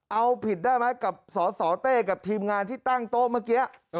เอาผิดได้ไหมกับสสเต้กับทีมงานที่ตั้งโต๊ะเมื่อกี้